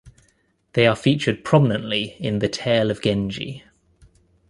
They are featured prominently in "The Tale of Genji".